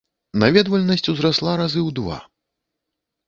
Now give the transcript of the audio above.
Наведвальнасць узрасла разы ў два.